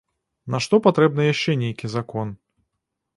Нашто патрэбна яшчэ нейкі закон?